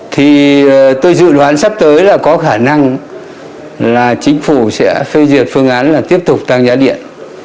thì tôi dự đoán sắp tới là có khả năng là chính phủ sẽ phê duyệt phương án là tiếp tục tăng giá điện